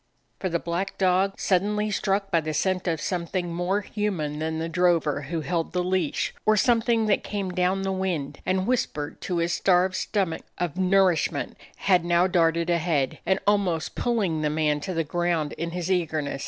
For the black dog, suddenly struck by the scent of something more human than the dro ver who held the leash, or something that came down the wind and whispered to his starved stomach of nourishment, had now darted ahead, almost pulling the man to the ground in his eagerness.